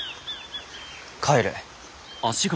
帰る。